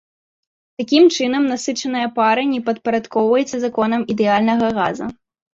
Такім чынам насычаная пара не падпарадкоўваецца законам ідэальнага газа.